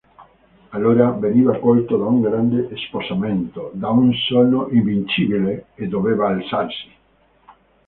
Allora veniva colto da un grande spossamento, da un sonno invincibile, e doveva alzarsi!